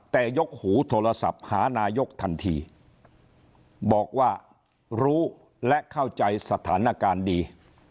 แต่ยกหูโทรศัพท์หานายกทันทีบอกว่ารู้และเข้าใจสถานการณ์ดี